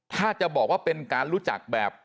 ถ้าจะบอกว่าเป็นการรู้จักแบบ